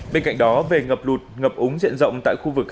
bên cạnh đó về ngập lụt ngập úng diện rộng tại khu vực